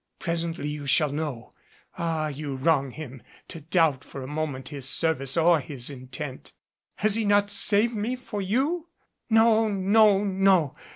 Presently you shall know. Ah, you wrong him to doubt for a moment his service or his intent. Has he not saved me for you? No! no! no!